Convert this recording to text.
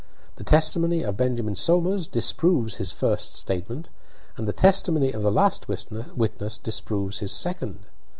The testimony of Benjamin Somers disproves his first statement, and the testimony of the last witness disproves his second.